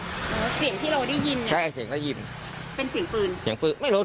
เสียงที่เราได้ยินน่ะใช่เสียงเราได้ยิน